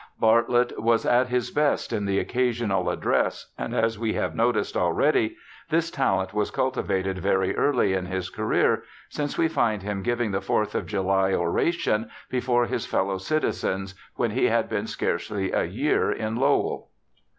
Bartlett was at his best in the occasional address, and, as we have noticed already, this talent was culti vated very early in his career, since we find him giving the Fourth of July oration before his fellow citizens when he had been scarcely a year in Lowell.